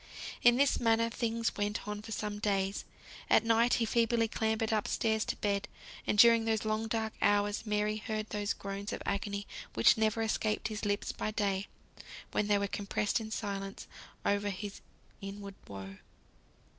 In this manner things went on for some days. At night he feebly clambered up stairs to bed; and during those long dark hours Mary heard those groans of agony which never escaped his lips by day, when they were compressed in silence over his inward woe.